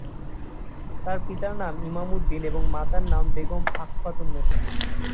তার পিতার নাম ইমাম উদ্দিন এবং মাতার নাম বেগম আকফাতুন্নেছা।